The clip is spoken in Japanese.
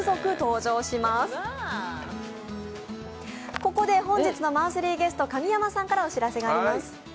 ここで本日のマンスリーゲスト、神山さんからお知らせがあります。